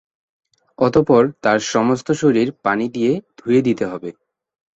অতঃপর তার সমস্ত শরীর পানি দিয়ে ধুয়ে দিতে হবে।